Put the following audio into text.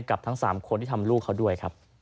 กับทั้งสามคนที่ทำลูกเขาด้วย